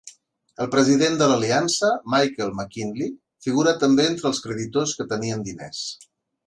El president de l'Aliança, Michael McKinley, figura també entre els creditors que tenien diners.